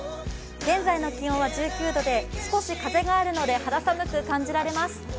現在の気温は１９度で少し風があるので肌寒く感じられます。